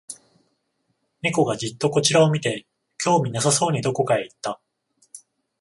猫がじっとこちらを見て、興味なさそうにどこかへ行った